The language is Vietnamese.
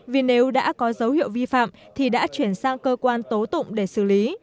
vì nếu đã có dấu hiệu vi phạm thì đã chuyển sang cơ quan tố tụng để xử lý